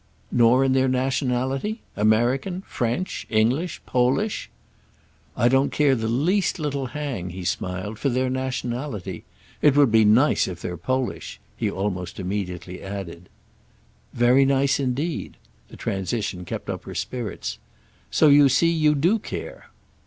"Nor in their nationality?—American, French, English, Polish?" "I don't care the least little 'hang,'" he smiled, "for their nationality. It would be nice if they're Polish!" he almost immediately added. "Very nice indeed." The transition kept up her spirits. "So you see you do care."